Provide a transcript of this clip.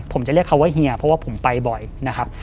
ผมจะเรียกเขาว่าเฮียเพราะว่าผมไปบ่อยนะครับ